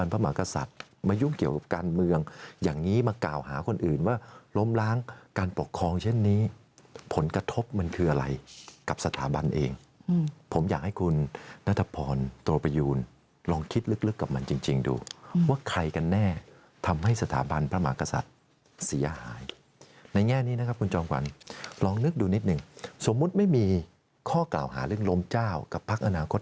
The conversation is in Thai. พระมากษัตริย์มายุ่งเกี่ยวกับการเมืองอย่างงี้มากล่าวหาคนอื่นว่าล้มล้างการปกครองเช่นนี้ผลกระทบมันคืออะไรกับสถาบันเองอืมผมอยากให้คุณนัฐพรโตรปยูนลองคิดลึกลึกกับมันจริงจริงดูอืมว่าใครกันแน่ทำให้สถาบันพระมากษัตริย์เสียหายในแง่นี้นะครับคุณจอมกวัลลองนึกดูน